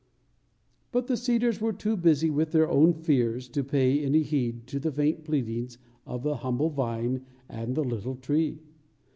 But the cedars were too busy with their own fears to pay any heed to the faint pleadings of the humble vine and the little tree.